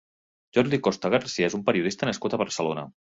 Jordi Costa Garcia és un periodista nascut a Barcelona.